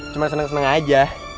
cuma seneng seneng aja